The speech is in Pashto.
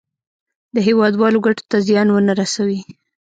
د هېوادوالو ګټو ته زیان ونه رسوي.